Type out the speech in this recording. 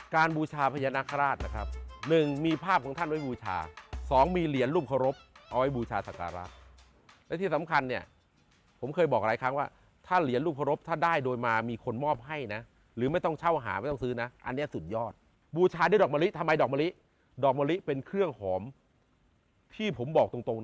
บูชาพญานาคาราชนะครับ๑มีภาพของท่านไว้บูชาสองมีเหรียญรูปเคารพเอาไว้บูชาสการะและที่สำคัญเนี่ยผมเคยบอกหลายครั้งว่าถ้าเหรียญลูกเคารพถ้าได้โดยมามีคนมอบให้นะหรือไม่ต้องเช่าหาไม่ต้องซื้อนะอันนี้สุดยอดบูชาด้วยดอกมะลิทำไมดอกมะลิดอกมะลิเป็นเครื่องหอมที่ผมบอกตรงตรง